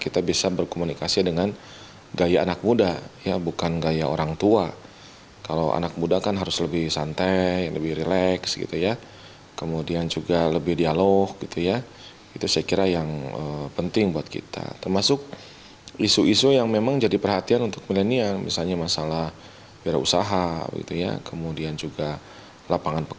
terutama dengan generasi milenial